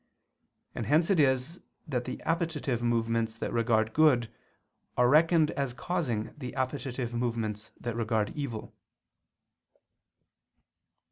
And hence it is that the appetitive movements that regard good, are reckoned as causing the appetitive movements that regard evil.